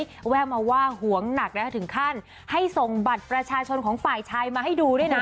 แววมาว่าหวงหนักนะถึงขั้นให้ส่งบัตรประชาชนของฝ่ายชายมาให้ดูด้วยนะ